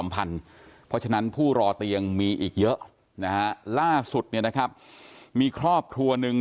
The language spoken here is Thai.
เพราะฉะนั้นผู้รอเตียงมีอีกเยอะนะครับล่าสุดเนี่ยนะครับมีครอบครัวนึง